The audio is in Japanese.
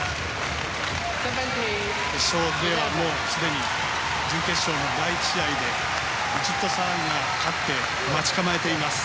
すでに準決勝の第１試合でヴィチットサーンが勝って待ち構えています。